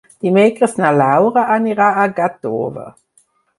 Dimecres na Laura anirà a Gàtova.